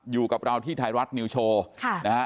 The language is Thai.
อยู่กับเราที่ไทยรัฐนิวโชว์นะฮะ